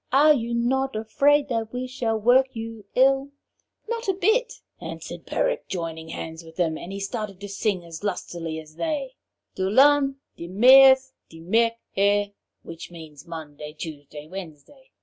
'Are you not afraid that we shall work you ill?' 'Not a bit!' answered Peric, joining hands with them; and he started to sing as lustily as they: 'Dilun, Dimeurs, Dimerc'her,' which means 'Monday, Tuesday, Wednesday.'